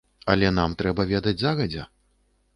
Але нам трэба ведаць загадзя.